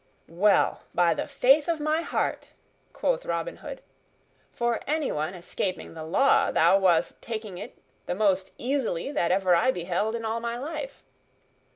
"Well, by the faith of my heart," quoth Robin Hood, "for anyone escaping the law, thou wast taking it the most easily that ever I beheld in all my life.